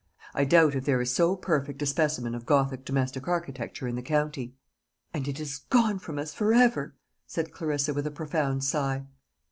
I doubt if there is so perfect a specimen of gothic domestic architecture in the county." "And it is gone from us for ever!" said Clarissa, with a profound sigh.